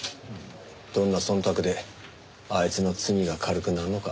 どんな忖度であいつの罪が軽くなるのか。